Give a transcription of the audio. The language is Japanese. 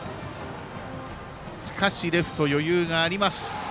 しかし、レフト余裕があります。